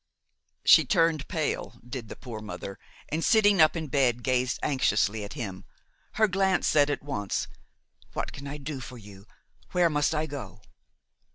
She turned pale, did the poor mother, and, sitting up in bed, gazed anxiously at him. Her glance said at once: "What can I do for you? Where must I go?"